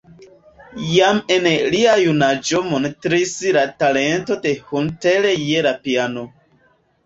Jam en lia junaĝo montriĝis la talento de Hunter je la piano.